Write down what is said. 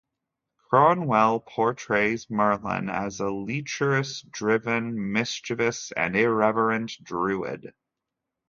Cornwell portrays Merlin as a lecherous, driven, mischievous and irreverent druid.